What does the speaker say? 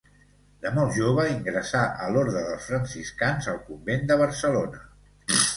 De molt jove ingressà a l'orde dels franciscans al convent de Barcelona.